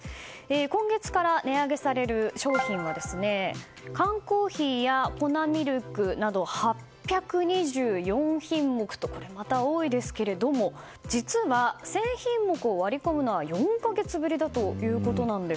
今月から値上げされる商品は缶コーヒーや粉ミルクなど８４２品目とこれまた多いですけれども実は１０００品目を割り込むのは４か月ぶりだということなんです。